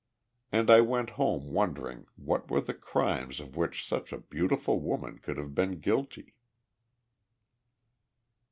And I went home wondering what were the crimes of which such a beautiful woman could have been guilty.